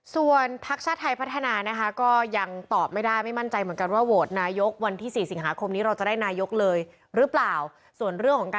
ส่วนพักชาติไทยพัฒนานะคะ